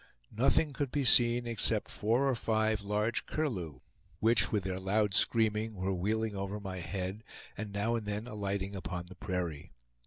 Nothing could be seen except four or five large curlew, which, with their loud screaming, were wheeling over my head, and now and then alighting upon the prairie.